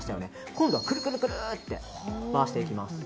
今度はくるくると回していきます。